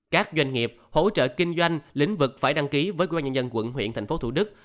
các doanh nghiệp hỗ trợ kinh doanh lĩnh vực phải đăng ký với quỹ nhân dân quận huyện thành phố thủ đức